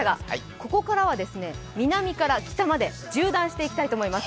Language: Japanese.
ここからは南から北まで縦断していきたいと思います。